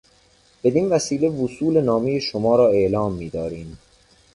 بدین وسیله وصول نامهی شما را اعلام میداریم.